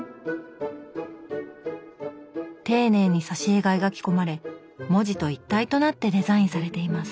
丁寧に挿絵が描き込まれ文字と一体となってデザインされています。